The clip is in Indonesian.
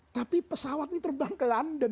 tapi pesawat ini terbang ke london